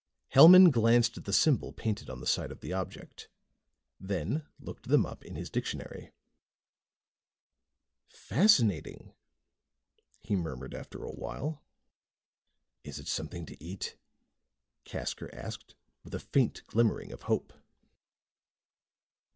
Hellman glanced at the symbols painted on the side of the object, then looked them up in his dictionary. "Fascinating," he murmured, after a while. "Is it something to eat?" Casker asked, with a faint glimmering of hope.